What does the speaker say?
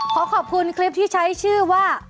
ขอขอบคุณคลิปที่ใช้ชื่อว่า